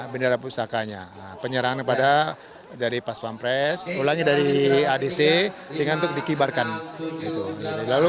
bendera pusakanya penyerang kepada dari pas pampres ulangi dari adc singkat dikibarkan lalu